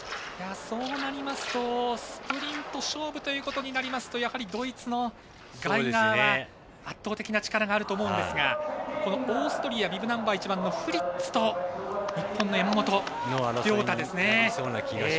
そうなりますとスプリント勝負ということになりますとやはりドイツのガイガーは圧倒的な力があると思うんですがオーストリアビブナンバー１番のフリッツと日本の山本涼太ですね。